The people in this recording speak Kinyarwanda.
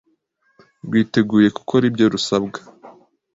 rwiteguye gukora ibyo rusabwa.